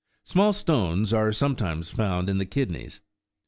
Small stones are sometimes found in the kidneys.